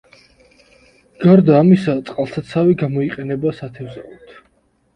გარდა ამისა წყალსაცავი გამოიყენება სათევზაოდ.